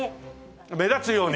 目立つように！